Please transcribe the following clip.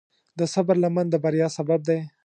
د صبر لمن د بریا سبب دی.